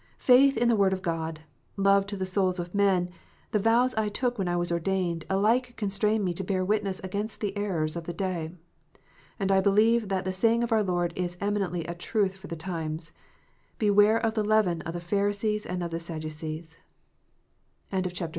Faith in the Word of God, love to the souls of men, the vows I took when I was ordained, alike constrain me to bear witness against the errors of the day. And I believe that the saying of our Lord is eminently a truth for the times :" Beware of the leaven of the Pharisees and of the Sadducees." III.